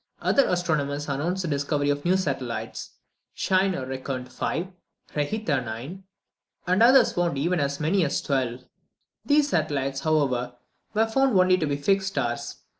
Other astronomers announced the discovery of new satellites: Scheiner reckoned five, Rheita nine, and others found even so many as twelve: these satellites, however, were found to be only fixed stars.